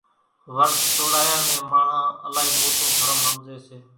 ورت سوڙايا نين ماڻۿان الائي موٽون درم ۿمزي سي۔